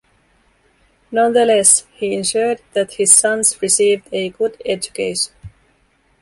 Nonetheless, he ensured that his sons received a good education.